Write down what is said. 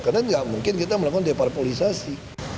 karena nggak mungkin kita melakukan deparpolisasi